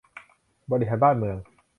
บริหารบ้านเมือง